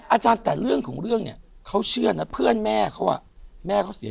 อาจารย์แต่เรื่องของเรื่องเนี่ย